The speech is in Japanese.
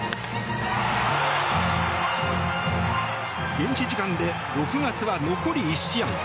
現地時間で６月は残り１試合。